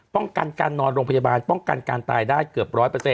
ป้องกันการนอนโรงพยาบาลป้องกันการตายได้เกือบ๑๐๐